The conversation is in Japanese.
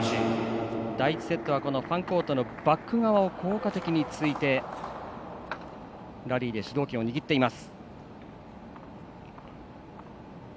第１セットはファンコートのバック側を効果的に突いてラリーで主導権を握っています。